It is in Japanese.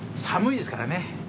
寒いですからね。